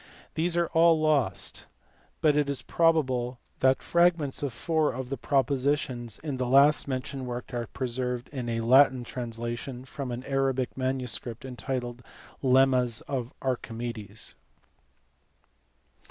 These are all lost, but it is probable that fragments of four of the propositions in the last mentioned work are preserved in a Latin translation from an Arabic manuscript entitled Lemmas of Archimedes.